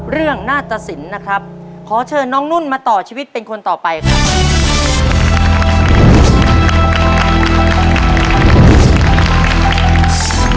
เรื่องน่าตระศิลป์นะครับขอเชิญน้องนุ่นมาต่อชีวิตเป็นคนต่อไปครับ